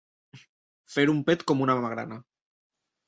Fer un pet com una magrana.